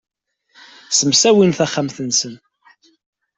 Ssemsawin taxxamt-nsen.